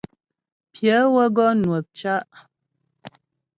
Pyə wə́ gɔ nwə̂p cá'.